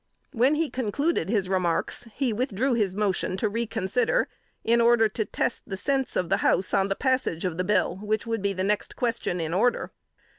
When he concluded his remarks, he withdrew his motion to reconsider, in order to test the sense of the House on the passage of the bill, which would be the next question in order.